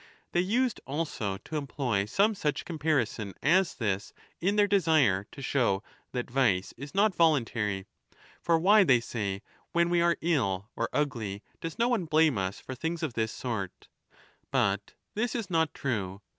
They used also to employ some such comparison as this in their desire to show that vice is not voluntary. For 25 why, they say, when we are ill or ugly, does no one blame us for things of this sort ? But this is not true.